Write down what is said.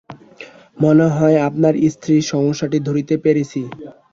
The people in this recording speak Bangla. মনে হয় আপনার স্ত্রীর সমস্যাটি ধরতে পেরেছি।